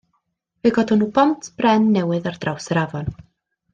Fe godon nhw bont bren newydd ar draws yr afon.